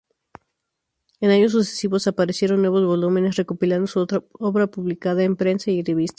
En años sucesivos aparecieron nuevos volúmenes recopilando su obra publicada en prensa y revistas.